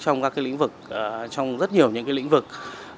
trong rất nhiều lĩnh vực